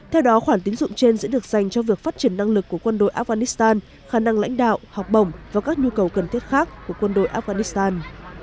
theo đó khoản tín dụng trên sẽ được dành cho việc phát triển năng lực của quân đội afghanistan khả năng lãnh đạo học bổng và các nhu cầu cần thiết khác của quân đội afghanistan